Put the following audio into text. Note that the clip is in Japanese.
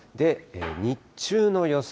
日中の予想